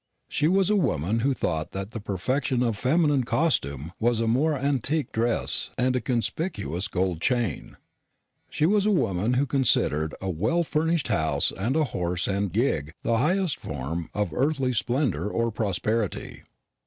She was a woman who thought that the perfection of feminine costume was a moire antique dress and a conspicuous gold chain. She was a woman who considered a well furnished house and a horse and gig the highest form of earthly splendour or prosperity.